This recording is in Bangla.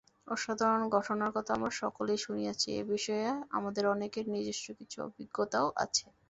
অসাধারণ ঘটনার কথা আমরা সকলেই শুনিয়াছি, এ-বিষয়ে আমাদের অনেকের নিজস্ব কিছু অভিজ্ঞতাও আছে।